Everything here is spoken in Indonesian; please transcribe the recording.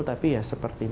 tapi ya seperti ini